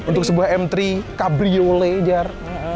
untuk sebuah m tiga cabriolet jar